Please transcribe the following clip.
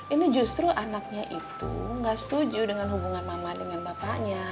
ini justru anaknya itu nggak setuju dengan hubungan mama dengan bapaknya